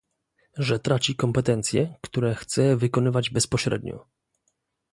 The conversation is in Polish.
że traci kompetencje, które chce wykonywać bezpośrednio